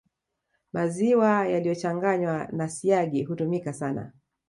Maziwa yaliyochanganywa na siagi hutumika sana